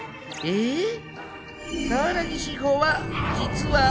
えっ？